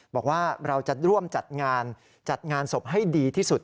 บอกว่าเราจะร่วมจัดงานจัดงานศพให้ดีที่สุด